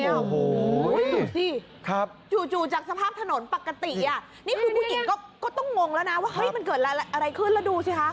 โอ้โหดูสิจู่จากสภาพถนนปกตินี่คือผู้หญิงก็ต้องงงแล้วนะว่าเฮ้ยมันเกิดอะไรขึ้นแล้วดูสิคะ